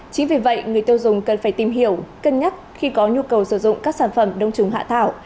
chính vì vậy người tiêu dùng cần phải tìm hiểu cân nhắc khi có nhu cầu sử dụng các sản phẩm đông trùng hạ thảo